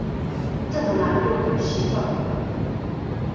这么懒惰的媳妇